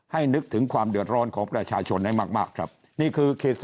ให้นึกถึงความเดือดร้อนของประชาชนให้มาก